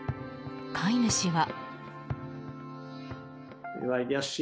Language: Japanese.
飼い主は。